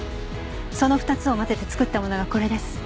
その２つを混ぜて作ったものがこれです。